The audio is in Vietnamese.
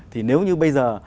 thì nếu như bây giờ